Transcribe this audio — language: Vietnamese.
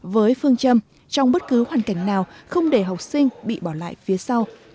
với phương châm trong bất cứ hoàn cảnh nào không để học sinh bị bỏ lại phía sau